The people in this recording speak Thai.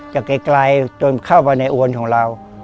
ไกลจนเข้าไปในอวนของเรา